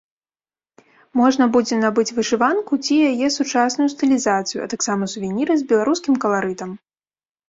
Можна будзе набыць вышыванку ці яе сучасную стылізацыю, а таксама сувеніры з беларускім каларытам.